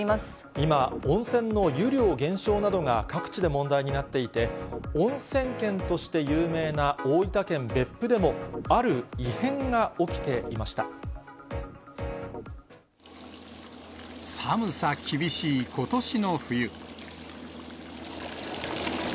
今、温泉の湯量減少などが各地で問題になっていて、おんせん県として有名な大分県別府でも、ある異変が起きていまし寒さ厳しいことしの冬。